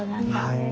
はい。